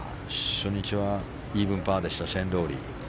初日はイーブンパーでしたシェーン・ロウリー。